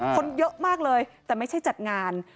คนเยอะมากเลยแต่ไม่ใช่จัดงาน